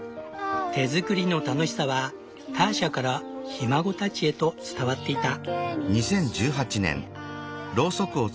手作りの楽しさはターシャからひ孫たちへと伝わっていた。